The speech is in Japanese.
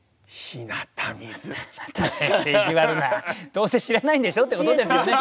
どうせ知らないんでしょ？ってことですよね。